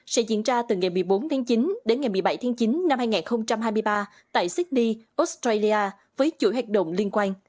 sẽ diễn ra từ ngày một mươi bốn tháng chín đến ngày một mươi bảy tháng chín năm hai nghìn hai mươi ba tại sydney australia với chuỗi hoạt động liên quan